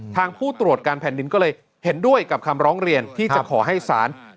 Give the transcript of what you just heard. ผู้ตรวจการแผ่นดินก็เลยเห็นด้วยกับคำร้องเรียนที่จะขอให้ศาล